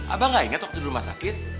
abah gak inget waktu di rumah sakit